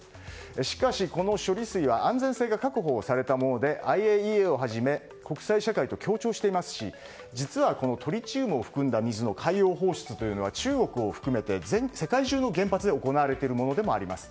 しかし、この処理水は安全性が確保されたものでＩＡＥＡをはじめ国際社会と協調していますし実は、トリチウムを含んだ水の海洋放出というのは中国を含めて、世界中の原発で行われているものでもあります。